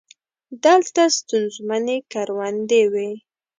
دلته ستونزمنې کروندې وې.